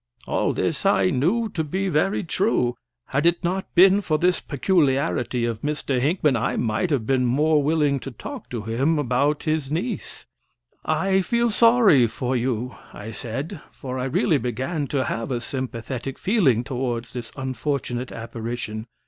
All this I knew to be very true. Had it not been for this peculiarity of Mr. Hinckman, I might have been more willing to talk to him about his niece. "I feel sorry for you," I said, for I really began to have a sympathetic feeling toward this unfortunate apparition.